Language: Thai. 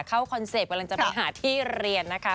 คอนเซปต์กำลังจะไปหาที่เรียนนะคะ